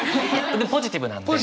ポジティブなんで。